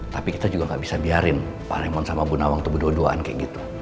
tapi kita juga gak bisa biarin pak remon sama bu nawang itu berdua duaan kayak gitu